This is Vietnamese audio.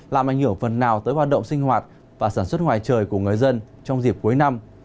làm ảnh hưởng phần nào tới hoạt động sinh hoạt và sản xuất ngoài trời của người dân trong dịp cuối năm